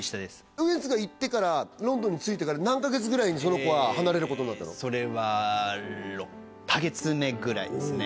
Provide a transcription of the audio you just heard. ウエンツが行ってからロンドンに着いて何カ月ぐらいにその子は離れたのそれは６カ月目ぐらいですね